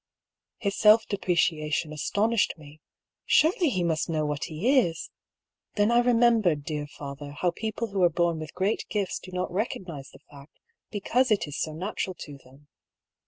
His self depreciation astonished me. Surely he must know what he isl Then I remembered, dear father, how people who are born with great gifts do not recog nise the fact because it is so natural to them.